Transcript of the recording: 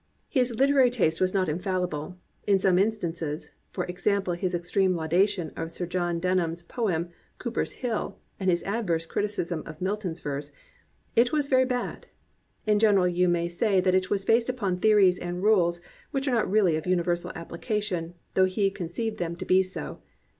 815 COMPANIONABLE BOOKS His literary taste was not infallible; in some in stances, (for example his extreme laudation of Sir John Denham's poem Cooper^ s Hilly and his adverse criticism of Milton's verse,) it was very bad. In gen eral you may say that it was based upon theories and rules which are not really of universal application, though he conceived them to be so.